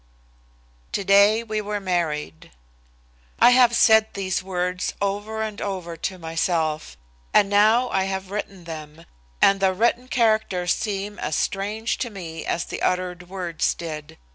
Today we were married. I have said these words over and over to myself, and now I have written them, and the written characters seem as strange to me as the uttered words did.